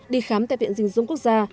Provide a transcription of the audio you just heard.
đi khám tại viện dinh dưỡng quốc gia